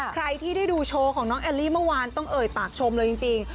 ใครที่ได้ดูโชว์ของน้องแอลลี่เมื่อวานต้องเอ่ยปากชมเลยจริง